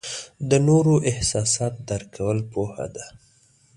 د نورو احساسات درک کول پوهه ده.